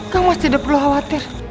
kang mas tidak perlu khawatir